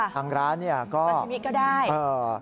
ทางร้านนี่ก็ซาชิมิกก็ได้